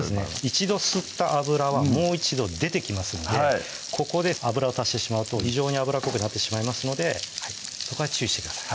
一度吸った油はもう一度出てきますのでここで油を足してしまうと非常に油っこくなってしまいますのでそこは注意してください